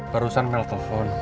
barusan mel telpon